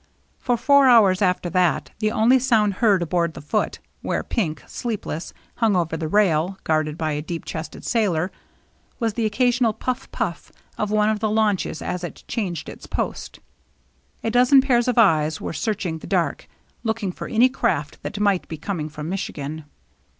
For four hours after that, the only sound heard aboard the Foote^ where Pink, sleepless, hung over the rail, guarded by a deep chested sailor, was the occasional pufF pufF of one of the launches as it changed its post. A dozen pairs of eyes were searching the dark, looking for any craft that might be coming from Michigan.